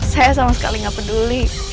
saya sama sekali nggak peduli